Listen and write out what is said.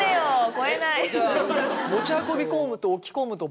超えない。